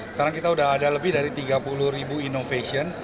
sekarang kita sudah ada lebih dari tiga puluh ribu innovation